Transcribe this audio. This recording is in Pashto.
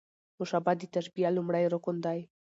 مشبه د تشبېه لومړی رکن دﺉ.